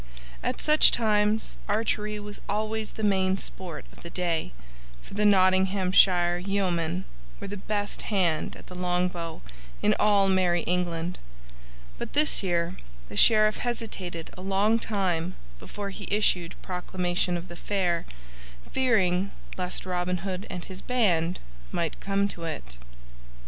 At such times archery was always the main sport of the day, for the Nottinghamshire yeomen were the best hand at the longbow in all merry England, but this year the Sheriff hesitated a long time before he issued proclamation of the Fair, fearing lest Robin Hood and his band might come to it.